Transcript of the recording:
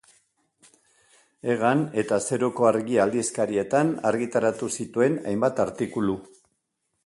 Egan eta Zeruko Argia aldizkarietan argitaratu zituen hainbat artikulu.